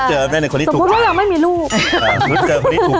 สมมุติว่ายังไม่มีลูก